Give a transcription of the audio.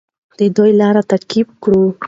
د دوی لار تعقیب کړو.